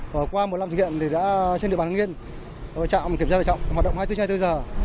và qua một năm thực hiện thì đã trên địa bàn nguyên trạm kiểm soát xe quá tải trọng hoạt động hai mươi bốn h